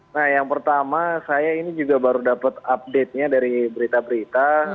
nah yang pertama saya ini juga baru dapat update nya dari berita berita